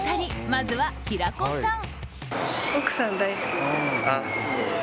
まずは、平子さん。